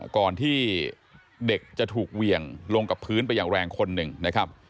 ก่อนที่เด็กจะถูกเหวี่ยงลงกับพื้นไปอย่างแรงคนหนึ่งนะครับ